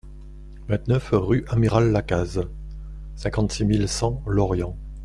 vingt-neuf rue Amiral Lacaze, cinquante-six mille cent Lorient